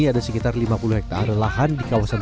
ada sekitar lima puluh hektare lahan di kawasan